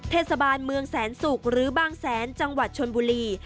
เทศบาลเมืองแสนศุกร์หรือบางแสนจังหวัดชนบุรี